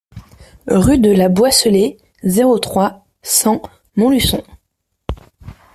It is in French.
Rue de la Boisselée, zéro trois, cent Montluçon